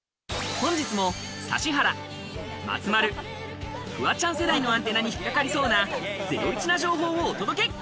本日も指原、松丸、フワちゃん世代のアンテナに引っ掛かりそうなゼロイチな情報をお届け！